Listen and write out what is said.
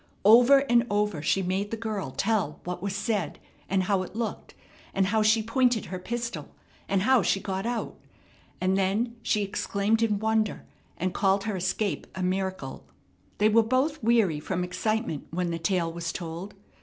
Over and over she made the girl tell what was said, and how it looked, and how she pointed her pistol, and how she got out; and then she exclaimed in wonder, and called her escape a miracle. They were both weary from excitement when the tale was told.